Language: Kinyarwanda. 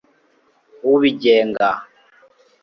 ubigenga